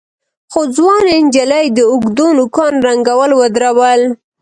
خو ځوانې نجلۍ د اوږدو نوکانو رنګول ودرول.